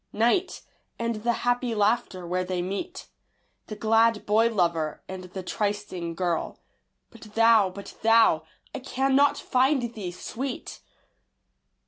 Night; and the happy laughter where they meet, The glad boy lover and the trysting girl. But thou but thou I cannot find thee, Sweet!